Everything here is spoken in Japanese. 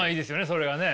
それがね。